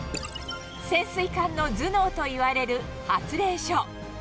潜水艦の頭脳といわれる発令所。